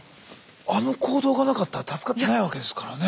あの行動がなかったら助かってないわけですからね。